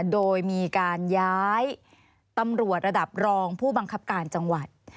โดยมีการย้ายตำรวจระดับรองผู้บังคับการจังหวัด